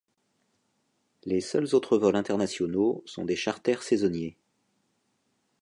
Les seuls autres vols internationaux sont des charters saisonniers.